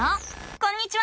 こんにちは！